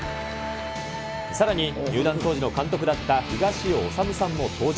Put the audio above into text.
さらに、入団当時の監督だった、東尾修さんも登場。